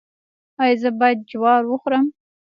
ایا زه باید جوار وخورم؟